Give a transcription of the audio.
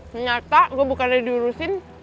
ternyata gue bukan dari diurusin